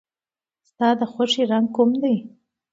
ستا د خوښې رنګ کوم دی؟